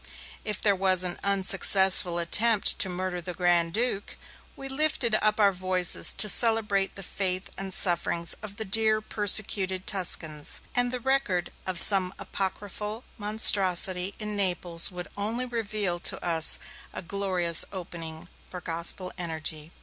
If there was an unsuccessful attempt to murder the Grand Duke, we lifted up our voices to celebrate the faith and sufferings of the dear persecuted Tuscans, and the record of some apocryphal monstrosity in Naples would only reveal to us a glorious opening for Gospel energy.